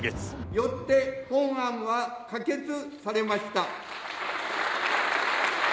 よって、本案は可決されました。